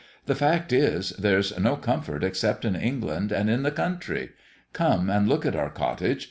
The fact is, there's no comfort except in England, and in the country! Come and look at our cottage.